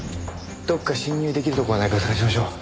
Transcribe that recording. どこか侵入出来るところがないか探しましょう。